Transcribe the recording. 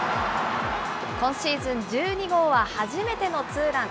今シーズン１２号は初めてのツーラン。